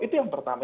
itu yang pertama